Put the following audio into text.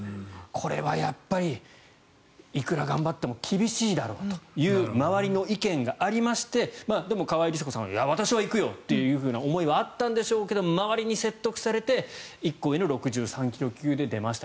これはやっぱりいくら頑張っても厳しいだろうという周りの意見がありましてでも、川井梨紗子さんはいや、私は行くよという思いはあったんでしょうけれど周りに説得されて１個上の６３ｋｇ級で出ました。